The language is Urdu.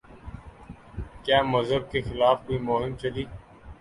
کیا مذہب کے خلاف کوئی مہم چلی؟